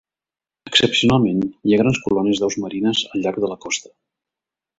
Excepcionalment hi ha grans colònies d'aus marines al llarg de la costa.